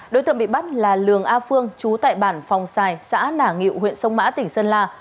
đối tượng bị bắt là lường a phương trú tại bản phong sai xã nả nghiệu huyện sông mã tỉnh sơn la